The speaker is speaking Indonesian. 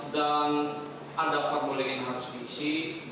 dan ada formulir yang harus diisi